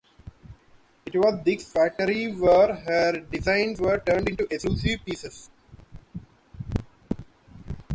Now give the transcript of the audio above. It was at this factory where her designs were turned into exclusive pieces.